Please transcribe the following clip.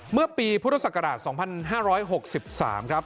เมื่อปีพุทธศักราช๒๕๖๓ครับ